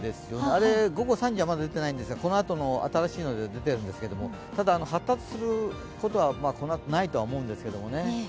あれ、午後３時はまだ出てないんですがこのあとの新しいので出てるんですがただ、発達することはないとは思うんですけどね。